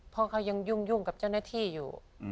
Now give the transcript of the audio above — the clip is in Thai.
เพราะเขายังยุ่งกับเจ้าหน้าที่อยู่